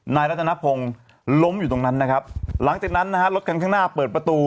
นายรัฐนพงศ์ล้มอยู่ตรงนั้นหลังจากนั้นรถกลางข้างหน้าเปิดประตู